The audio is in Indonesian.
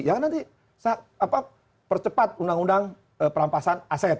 ya kan nanti apa percepat undang undang perampasan aset